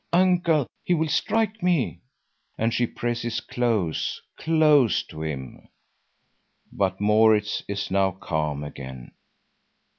"Uncle, he will strike me!" And she presses close, close to him. But Maurits is now calm again.